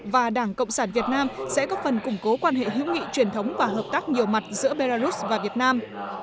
và đảng cộng sản việt nam sẽ có phần củng cố quan hệ hữu nghị truyền thống và hợp tác nhiều mặt giữa belarus và việt nam